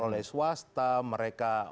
oleh swasta mereka